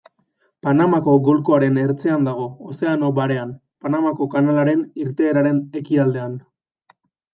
Panamako golkoaren ertzean dago, Ozeano Barean, Panamako kanalaren irteeraren ekialdean.